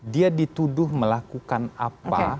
dia dituduh melakukan apa